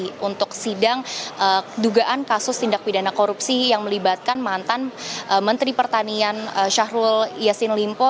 dan juga sidang dugaan kasus tindak pidana korupsi yang melibatkan mantan menteri pertanian syahrul yassin limpo